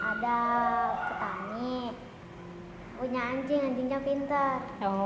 ada petani punya anjing anjingnya pinter